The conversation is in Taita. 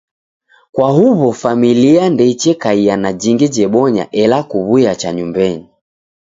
Kwa huw'o familia ndeichekaia na jingi jebonya ela kuw'uya cha nyumbenyi.